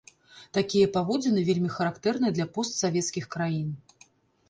Такія паводзіны вельмі характэрныя для постсавецкіх краін.